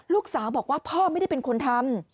ลูกสาวบอกว่าพ่อไม่ได้เป็นคนทำ